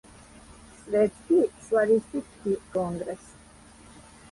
Светски славистички конгрес.